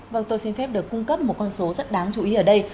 vâng tôi xin phép được cung cấp một con số rất đáng chú ý ở đây